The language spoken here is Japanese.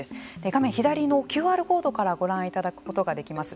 画面左のＱＲコードからもご覧いただくことができます。